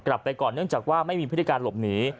กลับไปก่อนเนื่องจากว่าไม่มีพฤติการหลบหนี